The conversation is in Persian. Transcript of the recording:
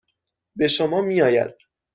به شما میآید.